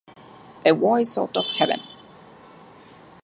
A voice out of heaven!